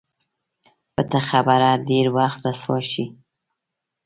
پټه خبره ډېر وخت رسوا شي.